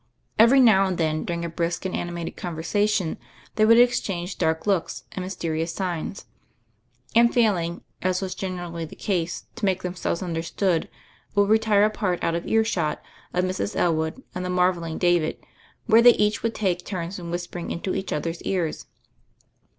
Every now and then during a brisk and animated conversation they would exchange dark looks and mysterious signs; and failing, as was generally the case, to make themselves understood, would retire apart out of earshot ojf Mrs. Elwood and the marvelling David, where they each would take turn in whispering into each other's ears.